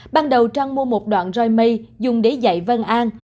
ban đầu trang mua một đoạn roi mây dùng để dạy văn an